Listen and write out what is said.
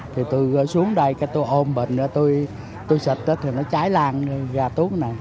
thì tôi xuống đây tôi ôm bệnh tôi xịt thì nó cháy lan ra túi này